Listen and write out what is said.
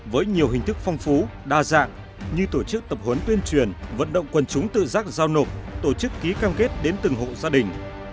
với nhiều hình thức phong phú đa dạng như tổ chức tập huấn tuyên truyền vận động quân chúng tự giác giao nộp tổ chức ký cam kết đến từng hộ gia đình